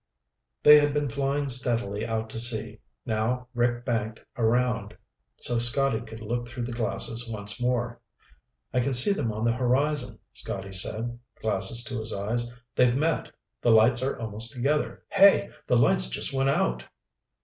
They had been flying steadily out to sea. Now Rick banked around so Scotty could look through the glasses once more. "I can see them on the horizon," Scotty said, glasses to his eyes. "They've met. The lights are almost together. Hey! The lights just went out!"